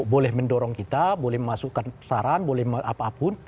boleh mendorong kita boleh memasukkan saran boleh apa apa